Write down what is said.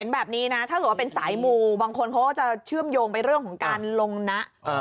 แบบนี้นะถ้าเกิดว่าเป็นสายมูบางคนเขาก็จะเชื่อมโยงไปเรื่องของการลงนะ